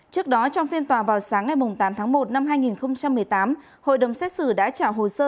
trước đó trong phiên tòa vào sáng ngày tám tháng một năm hai nghìn một mươi tám hội đồng xét xử đã trả hồ sơ